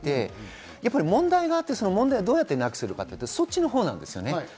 問題があって、その問題をどうやってなくすのか、そっちのほうです。